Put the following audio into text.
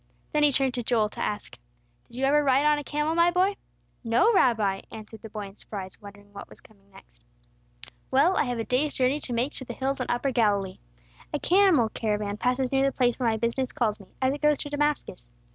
Then he turned to Joel to ask, "Did you ever ride on a camel, my boy?" "No, Rabbi," answered the boy, in surprise, wondering what was coming next. "Well, I have a day's journey to make to the hills in Upper Galilee. A camel caravan passes near the place where my business calls me, as it goes to Damascus.